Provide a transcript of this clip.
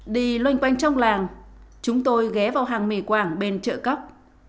đi loanh quanh trong làng chúng tôi ghé vào hàng mì quàng bên chợ cấp